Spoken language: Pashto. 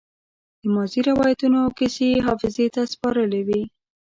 د ماضي روايتونه او کيسې يې حافظې ته سپارلې وي.